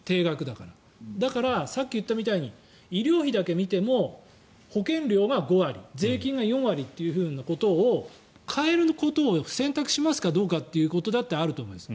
だから、さっき言ったみたいに医療費だけ見ても保険料が５割税金が４割というふうなことを変えることを選択しますかどうかということもあると思うんです。